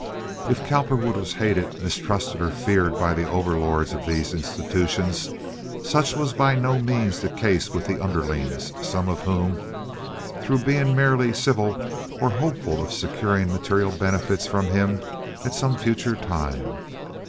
If Cowperwood was hated, mistrusted, or feared by the overlords of these institutions, such was by no means the case with the underlings, some of whom, through being merely civil, were hopeful of securing material benefits from him at some future time.